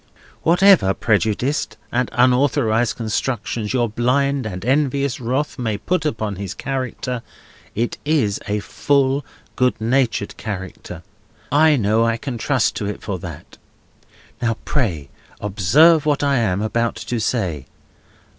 Whatever prejudiced and unauthorised constructions your blind and envious wrath may put upon his character, it is a frank, good natured character. I know I can trust to it for that. Now, pray observe what I am about to say.